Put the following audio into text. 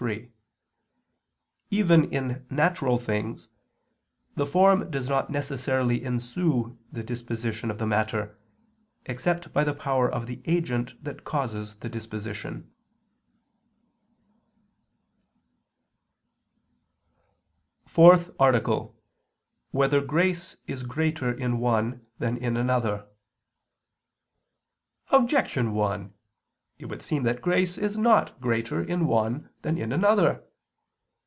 3: Even in natural things, the form does not necessarily ensue the disposition of the matter, except by the power of the agent that causes the disposition. ________________________ FOURTH ARTICLE [I II, Q. 112, Art. 4] Whether Grace Is Greater in One Than in Another? Objection 1: It would seem that grace is not greater in one than in another.